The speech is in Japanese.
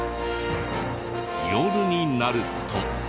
夜になると。